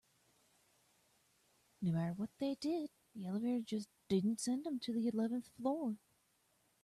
No matter what they did, the elevator just didn't send them to the eleventh floor.